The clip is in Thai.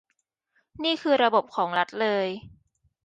นี่คือระบบของรัฐเลย